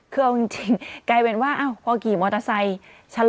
คือเอาจริงกลายเป็นว่าอ้าวพอกี่มอเตอร์ไซค์